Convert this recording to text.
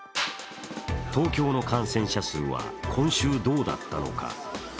東京の感染者数は今週、どうだったのか。